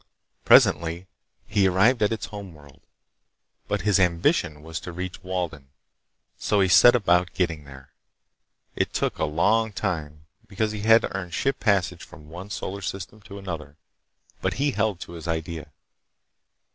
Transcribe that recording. Presently he arrived at its home world. But his ambition was to reach Walden, so he set about getting there. It took a long time because he had to earn ship passage from one solar system to another, but he held to his idea.